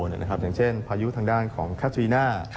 อย่างเช่นพายุทางด้านของคาทรีน่า